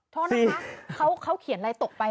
โทษนะคะเขาเขียนอะไรตกไป